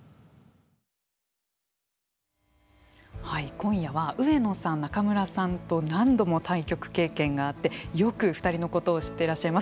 今夜は上野さん仲邑さんと何度も対局経験があってよく２人のことを知っていらっしゃいます